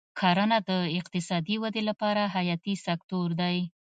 کرنه د اقتصادي ودې لپاره حیاتي سکتور دی.